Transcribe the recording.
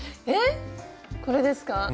えっ⁉これですか？